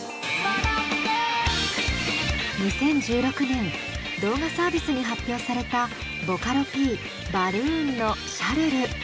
２０１６年動画サービスに発表されたボカロＰバルーンの「シャルル」。